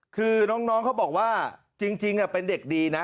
คือน้องเขาบอกว่าจริงเป็นเด็กดีนะ